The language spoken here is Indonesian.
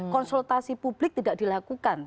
konsultasi publik tidak dilakukan